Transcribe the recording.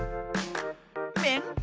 めんこ。